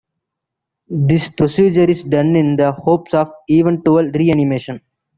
This procedure is done in the hopes of eventual reanimation.